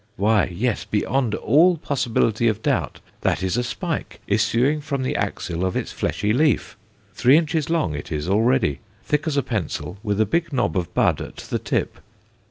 Why, yes! Beyond all possibility of doubt that is a spike issuing from the axil of its fleshy leaf! Three inches long it is already, thick as a pencil, with a big knob of bud at the tip.